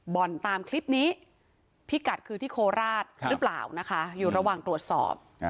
บ่อนตามคลิปนี้พิกัดคือที่โคราชหรือเปล่านะคะอยู่ระหว่างตรวจสอบ